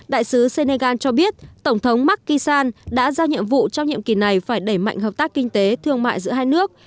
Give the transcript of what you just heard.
đại sứ senegal cho biết tổng thống mark kisan đã giao nhiệm vụ trong nhiệm kỳ này phải đẩy mạnh hợp tác kinh tế thương mại giữa hai nước